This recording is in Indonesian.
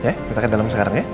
kita ke dalam sekarang ya